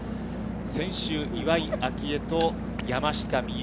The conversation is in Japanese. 先週、岩井明愛と山下美夢